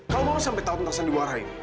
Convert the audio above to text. kalau mama sampai tahu tentang sandiwara ini